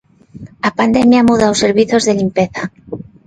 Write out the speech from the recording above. A pandemia muda os servizos de limpeza.